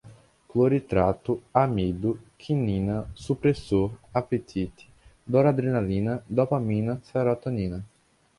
cloridrato, amido, quinina, supressor, apetite, noradrenalina, dopamina, serotonina